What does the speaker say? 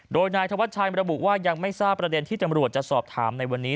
โดยนายธวัชชัยระบุว่ายังไม่ทราบประเด็นที่ตำรวจจะสอบถามในวันนี้